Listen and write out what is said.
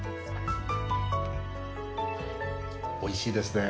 おいしいですね。